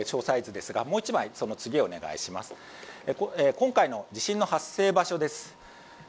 今回の地震の発生場所です。